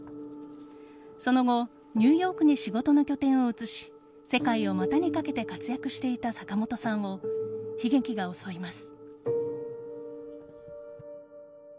その後、ニューヨークに仕事の拠点を移し世界を股にかけて活躍していた坂本さんを悲劇が襲います。